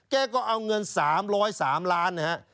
แกก็เอาเงิน๓๐๓ล้านนะฮะ